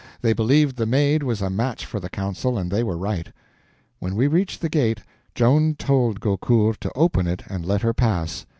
They believed the Maid was a match for the council, and they were right. When we reached the gate, Joan told Gaucourt to open it and let her pass.